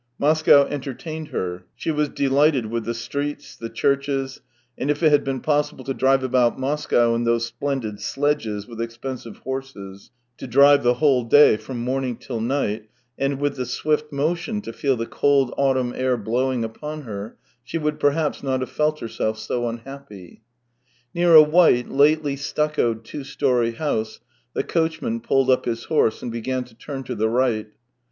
Moscow entertained her — she was delighted with the streets, the churches; and if it had been possible to drive about Moscow in those splendid sledges with expensive horses, to drive the whole day from morning till night, and with the swift motion to feel the cold autumn air blowing upon her, she would perhaps not have felt herself so unhappy. Near a white, lately stuccoed two storey house I 15 226 THE TALES OF TCHEHOV the coachman pulled up his horse, and began to turn to the right.